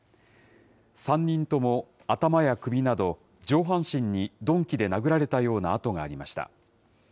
３人とも頭や首など、上半身に鈍器で殴られたような痕がありました。